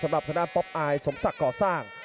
สำหรับทางด้านป๊อปอายสมศักดิ์ก่อสร้าง